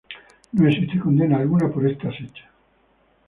No existe condena alguna por estos hechos.